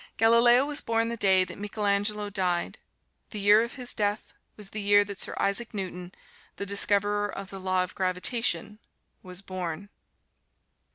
Galileo was born the day that Michelangelo died; the year of his death was the year that Sir Isaac Newton, the discoverer of the law of gravitation, was born.